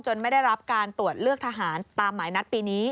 ไม่ได้รับการตรวจเลือกทหารตามหมายนัดปีนี้